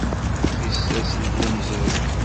Tissas n Bu Mezreg.